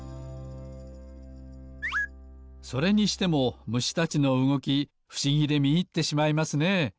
それにしてもむしたちのうごきふしぎでみいってしまいますね。